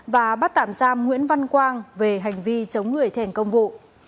và bắt tạm giam nguyễn văn quang về hành vi chống người thèn công vụ